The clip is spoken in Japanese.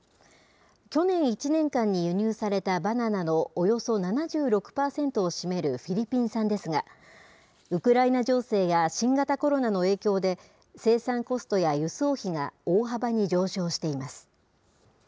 去年１年間に輸入されたバナナのおよそ７６％を占めるフィリピン産ですが、ウクライナ情勢や新型コロナの影響で、生産コストや輸送費が大幅に上昇しています。